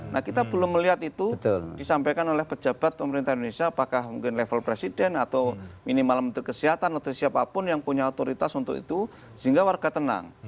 nah kita belum melihat itu disampaikan oleh pejabat pemerintah indonesia apakah mungkin level presiden atau minimal menteri kesehatan atau siapapun yang punya otoritas untuk itu sehingga warga tenang